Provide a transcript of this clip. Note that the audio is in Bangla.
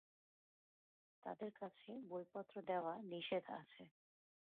তাদের কাছে বইপত্র দেয়া নিষেধ আছে।